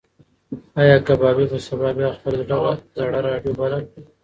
ایا کبابي به سبا بیا خپله زړه راډیو بله کړي؟